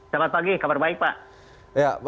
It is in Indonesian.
selamat pagi kabar baik pak